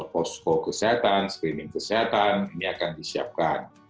posko kesehatan screening kesehatan ini akan disiapkan